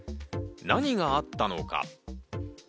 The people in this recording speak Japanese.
何があったのか？